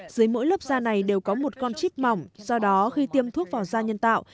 dưới mỗi lớp da này đều có một con chit mỏng do đó khi tiêm thuốc vào da nhân tạo